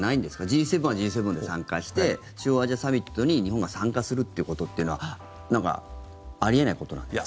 Ｇ７はＧ７で参加して中央アジアサミットに日本が参加するっていうことはあり得ないことなんですか？